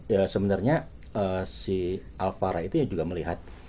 ya sebenarnya si alvara itu ya juga melihat